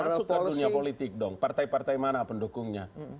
masuk ke dunia politik dong partai partai mana pendukungnya